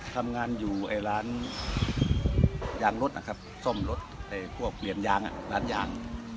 ทำงานอยู่ร้านยางรถนะครับซ่อมรถพวกเปลี่ยนยางร้านยาง